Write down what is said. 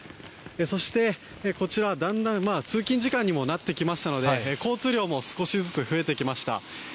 そして、こちらだんだん通勤時間にもなってきましたので交通量も少しずつ増えてきました。